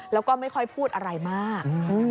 แล้วก็ไม่ค่อยพูดอะไรมาก